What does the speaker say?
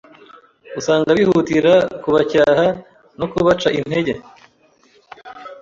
usanga bihutira kubacyaha no kubaca intege